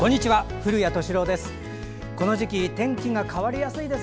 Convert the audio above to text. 古谷敏郎です。